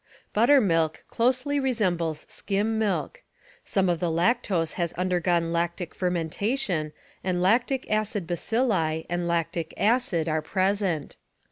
Buttermilk closely resembles skim milk. Some of the lactose has undergone lactic fermentation and lactic acid bacilli and lactic acid are present.